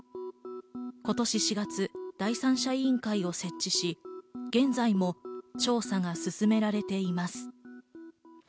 今年４月、第三者委員会を設置し、現在も調査が進められています。